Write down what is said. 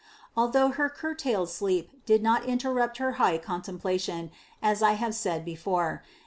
Although her curtailed sleep did not interrupt her high contemplation, as I have said before (No.